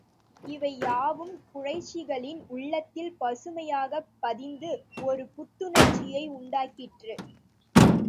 இவை யாவும் குறைஷிகளின் உள்ளத்தில் பசுமையாகப் பதிந்து, ஒரு புத்துணர்ச்சியை உண்டாக்கிற்று.